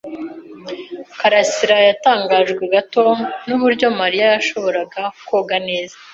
Karasirayatangajwe gato nuburyo Mariya yashoboraga koga neza.